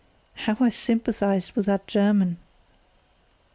(How I sympathised with that German!)